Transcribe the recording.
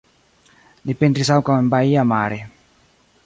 Li pentris ankaŭ en Baia Mare.